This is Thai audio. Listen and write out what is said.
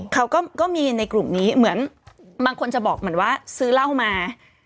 เขาก็มีในกลุ่มนี้เหมือนบางคนจะบอกเหมือนว่าซื้อเหล้ามา